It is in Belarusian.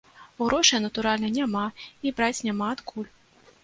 Грошай, натуральна, няма, і браць няма адкуль.